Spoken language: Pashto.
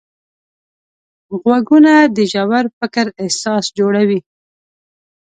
غوږونه د ژور فکر اساس جوړوي